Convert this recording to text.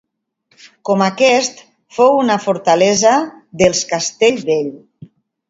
Com aquest, fou una fortalesa dels Castellvell.